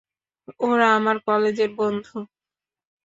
ওরা আমার কলেজের বন্ধু!